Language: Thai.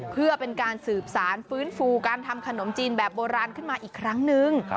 เพื่อเป็นการสืบสารฟื้นฟูการทำขนมจีนแบบโบราณขึ้นมาอีกครั้งนึง